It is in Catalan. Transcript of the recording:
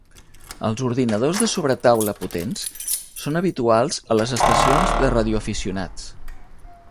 Els ordenadors de sobretaula potents són habituals a les estacions de radioaficionats.